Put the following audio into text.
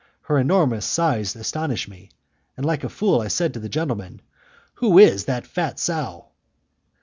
Her enormous size astonished me, and, like a fool, I said to the gentleman: "Who is that fat sow?"